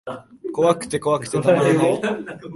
怖くて怖くてたまらない